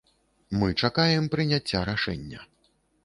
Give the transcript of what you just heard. Мы чакаем прыняцця рашэння.